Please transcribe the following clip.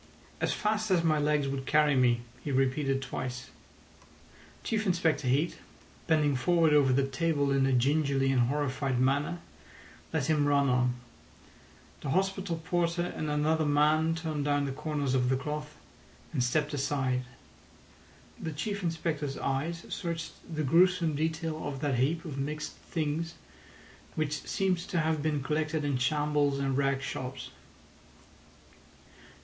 "As fast as my legs would carry me," he repeated twice. Chief Inspector Heat, bending forward over the table in a gingerly and horrified manner, let him run on. The hospital porter and another man turned down the corners of the cloth, and stepped aside. The Chief Inspector's eyes searched the gruesome detail of that heap of mixed things, which seemed to have been collected in shambles and rag shops.